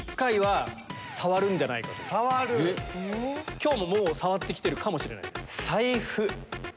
今日ももう触って来てるかもしれないです。